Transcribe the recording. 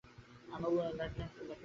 আমি Latvian leprechaun নই, Jerry.